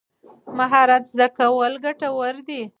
مهارت زده کول ګټور دي.